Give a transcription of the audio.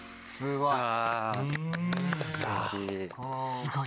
すごい。